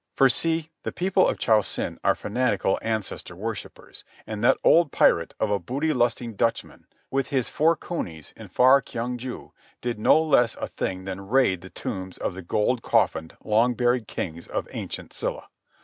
For, see. The people of Cho Sen are fanatical ancestor worshippers, and that old pirate of a booty lusting Dutchman, with his four cunies, in far Kyong ju, did no less a thing than raid the tombs of the gold coffined, long buried kings of ancient Silla.